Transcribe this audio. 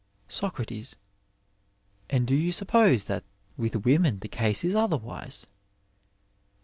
8oc. And do you suppose that with women the case is otherwise.